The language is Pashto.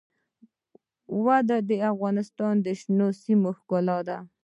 وادي د افغانستان د شنو سیمو ښکلا ده.